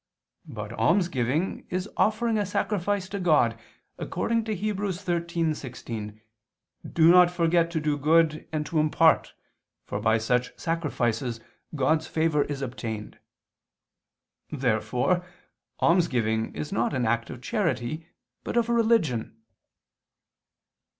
But almsgiving is offering a sacrifice to God, according to Heb. 13:16: "Do not forget to do good and to impart, for by such sacrifices God's favor is obtained." Therefore almsgiving is not an act of charity, but of religion.